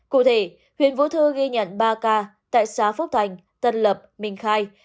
cụ thể huyện vũ thư ghi nhận ba ca tại xã phúc thành tân lập minh khai